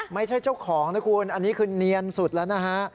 ไม่ใช่เจ้าของนะคุณอันนี้คือเนียนสุดแล้วนะฮะ